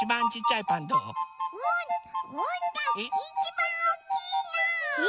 いちばんおっきいの！え！